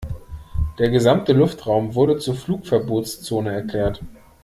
Der gesamte Luftraum wurde zur Flugverbotszone erklärt.